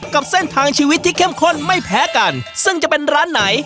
กับเส้นทางชีวิตที่เข้มข้นไม่แพ้กันซึ่งจะเป็นร้านไหน